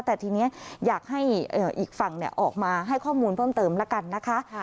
แต่ทีนี้อยากให้อีกฝั่งออกมาให้ข้อมูลเพิ่มเติมแล้วกันนะคะ